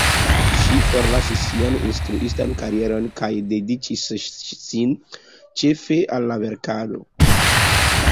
Ŝi forlasis sian instruistan karieron kaj dediĉis sin ĉefe al la verkado.